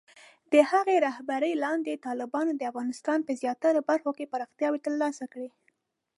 د هغه رهبرۍ لاندې، طالبانو د افغانستان په زیاتره برخو کې پراختیا ترلاسه کړه.